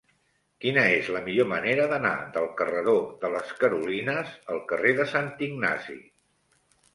Quina és la millor manera d'anar del carreró de les Carolines al carrer de Sant Ignasi?